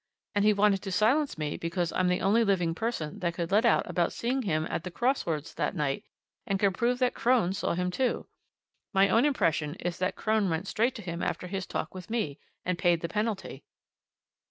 And he wanted to silence me because I'm the only living person that could let out about seeing him at the cross roads that night and could prove that Crone saw him too. My own impression is that Crone went straight to him after his talk with me and paid the penalty."